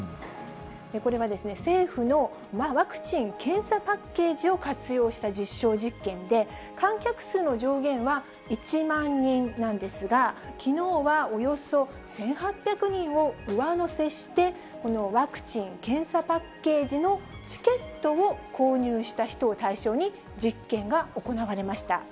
これは政府のワクチン・検査パッケージを活用した実証実験で、観客数の上限は１万人なんですが、きのうはおよそ１８００人を上乗せして、このワクチン・検査パッケージのチケットを購入した人を対象に、実験が行われました。